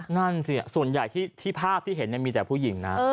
นั่นสิส่วนใหญ่ที่ภาพที่เห็นมีแต่ผู้หญิงนะ